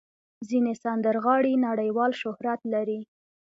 ځینې سندرغاړي نړیوال شهرت لري.